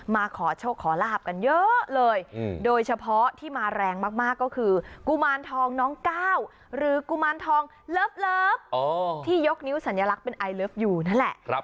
มาขอโชคขอลาบกันเยอะเลยโดยเฉพาะที่มาแรงมากก็คือกุมารทองน้องก้าวหรือกุมารทองเลิฟที่ยกนิ้วสัญลักษณ์เป็นไอเลิฟอยู่นั่นแหละ